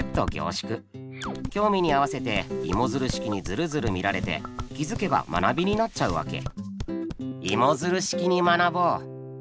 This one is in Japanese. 興味に合わせてイモヅル式にヅルヅル見られて気づけば学びになっちゃうわけ。